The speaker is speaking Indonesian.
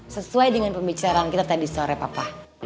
sesuai dengan pembicaraan kita tadi sore papa